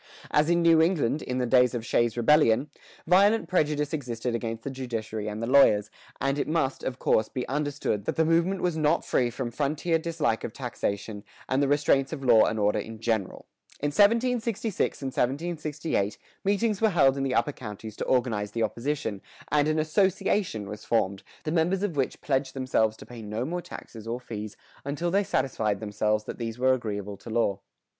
[119:1] As in New England, in the days of Shays' Rebellion, violent prejudice existed against the judiciary and the lawyers, and it must, of course, be understood that the movement was not free from frontier dislike of taxation and the restraints of law and order in general. In 1766 and 1768, meetings were held in the upper counties to organize the opposition, and an "association"[119:2] was formed, the members of which pledged themselves to pay no more taxes or fees until they satisfied themselves that these were agreeable to law.